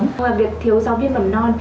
nhưng mà việc thiếu giáo viên mầm non